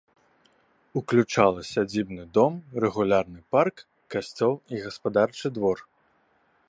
Уключала сядзібны дом, рэгулярны парк, касцёл і гаспадарчы двор.